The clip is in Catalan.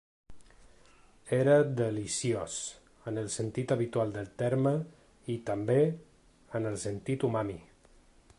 Era deliciós, en el sentit habitual del terme i, també, en el sentit umami.